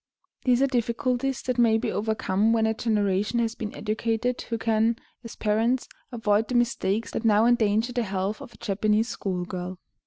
[*55] These are difficulties that may be overcome when a generation has been educated who can, as parents, avoid the mistakes that now endanger the health of a Japanese school girl.